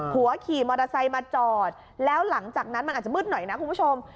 ขี่มอเตอร์ไซค์มาจอดแล้วหลังจากนั้นมันอาจจะมืดหน่อยนะคุณผู้ชม